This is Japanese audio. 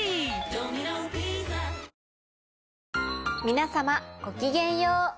皆様ごきげんよう。